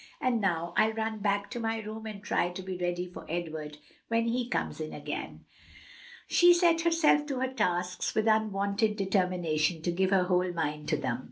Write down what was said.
"And now, I'll run back to my room and try to be ready for Edward when he comes in again." She set herself to her tasks with unwonted determination to give her whole mind to them.